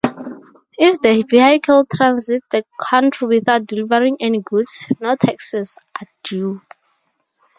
If the vehicle transits the country without delivering any goods, no taxes are due.